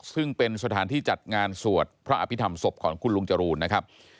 ซึ่งเป็นสถานที่จัดงานสวดพระอภิษฐรรมศพของคุณลุงจรูนนะครับ